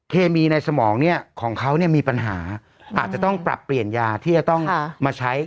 เคมีในสมองเนี่ยของเขาเนี่ยมีปัญหาอาจจะต้องปรับเปลี่ยนยาที่จะต้องมาใช้